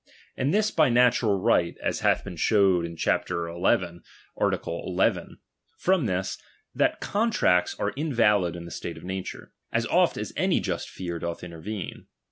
And this by natural right, as hath been showed in chap. ir. art. 11, from this, that contracts are invalid in the state of nature, as oft as any just fear doth intervene.